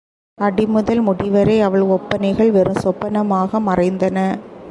அடி முதல் முடி வரை அவள் ஒப்பனைகள் வெறும் சொப்பனமாக மறைந்தன.